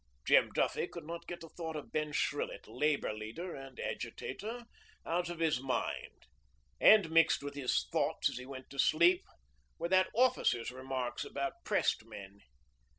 Jem Duffy could not get the thought of Ben Shrillett, labour leader and agitator, out of his mind, and mixed with his thoughts as he went to sleep were that officer's remarks about pressed men.